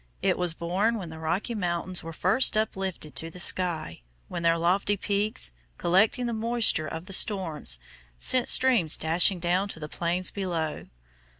It was born when the Rocky Mountains were first uplifted to the sky, when their lofty peaks, collecting the moisture of the storms, sent streams dashing down to the plains below.